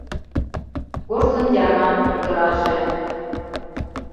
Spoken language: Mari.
Порсын ярыман мундыраже